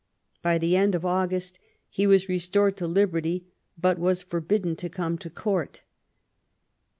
By the end of August he was restored to liberty, but was forbidden to come to Court.